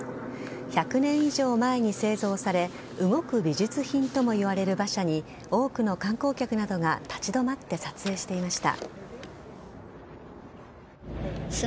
１００年以上前に製造され動く美術品ともいわれる馬車に多くの観光客などが立ち止まって撮影していました。